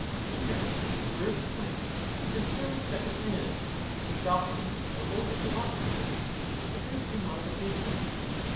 Here, in the first place, he is entirely "'""'^™*' second hand. His doctrines are those of Democritus, with a very few modifications.